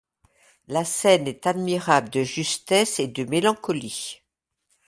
La scène est admirable de justesse et de mélancolie.